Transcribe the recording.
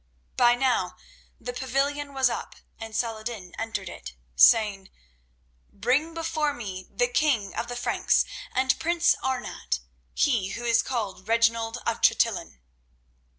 By now the pavilion was up and Saladin entered it, saying: "Bring before me the king of the Franks and prince Arnat, he who is called Reginald of Chatillon."